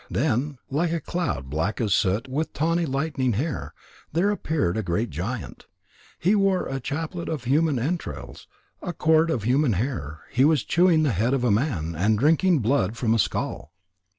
Then, like a cloud black as soot with tawny lightning hair, there appeared a great giant. He wore a chaplet of human entrails, a cord of human hair, he was chewing the head of a man, and drinking blood from a skull.